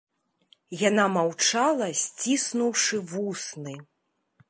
Яна маўчала, сціснуўшы вусны.